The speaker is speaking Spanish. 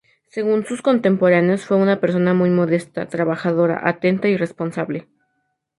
Según sus contemporáneos, fue una persona muy modesta, trabajadora, atenta y responsable.